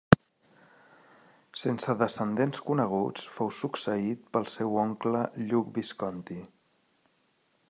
Sense descendents coneguts fou succeït pel seu oncle Lluc Visconti.